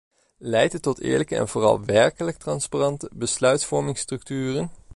Leidt het tot eerlijke en vooral werkelijk transparante besluitvormingsstructuren?